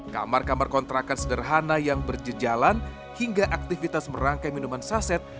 kamar kamar kontrakan sederhana yang berjejalan hingga aktivitas merangkai minuman saset